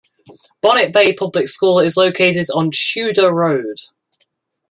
Bonnet Bay Public School is located on Tudar Road.